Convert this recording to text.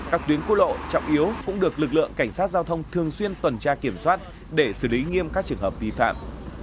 các tuyến quốc lộ trọng yếu cũng được lực lượng cảnh sát giao thông thường xuyên tuần tra kiểm soát để xử lý nghiêm các trường hợp vi phạm